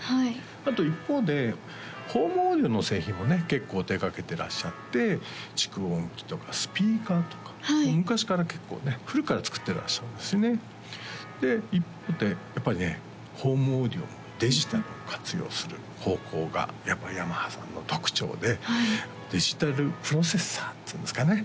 あと一方でホームオーディオの製品もね結構手がけてらっしゃって蓄音機とかスピーカーとか昔から結構ね古くから作ってらっしゃるんですよねで一方でやっぱりねホームオーディオもデジタルを活用する方向がやっぱりヤマハさんの特徴でデジタルプロセッサーっていうんですかね